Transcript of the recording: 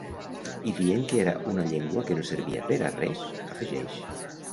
I dient que era una llengua que no servia per a res, afegeix.